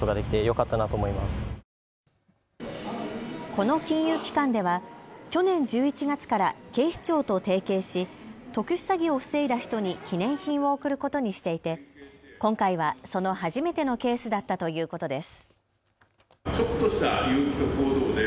この金融機関では去年１１月から警視庁と提携し特殊詐欺を防いだ人に記念品を贈ることにしていて、今回はその初めてのケースだったということです。